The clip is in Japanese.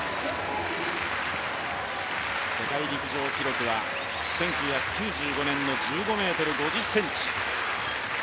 世界陸上記録は１９９５年の１５ｍ５０ｃｍ。